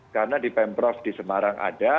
karena di pempros di semarang ada